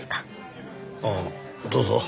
ああどうぞ。